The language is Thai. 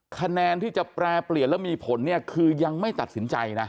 คะแนนที่จะแปรเปลี่ยนแล้วมีผลเนี่ยคือยังไม่ตัดสินใจนะ